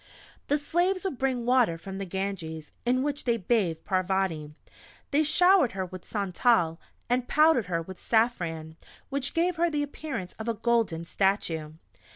The slaves would bring water from the Ganges, in which they bathed Parvati; they showered her with "santal," and powdered her with safran, which gave her the appearance of a golden statue.